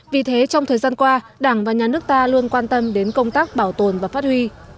vì thế trong thời gian qua đảng và nhà nước ta luôn quan tâm đến công tác bảo tồn và phát huy